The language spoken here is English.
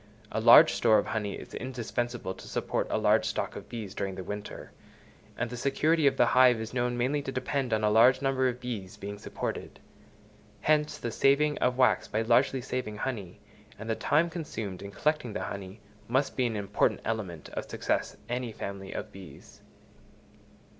A large store of honey is indispensable to support a large stock of bees during the winter; and the security of the hive is known mainly to depend on a large number of bees being supported. Hence the saving of wax by largely saving honey, and the time consumed in collecting the honey, must be an important element of success any family of bees.